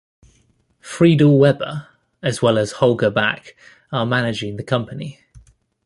Friedel Weber as well as Holger Back are managing the company.